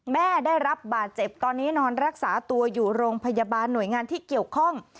แม่ได้รับบาดเจ็บตอนนี้นอนรักษาตัวอยู่โรงพยาบาลหน่วยงานที่เกี่ยวข้อง